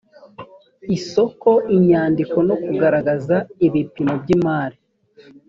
isoko inyandiko no kugaragaza ibipimo by imari